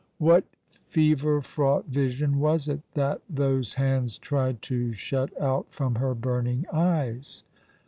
What fever fraught vision was it that those hands tried to shut out from her burning eyes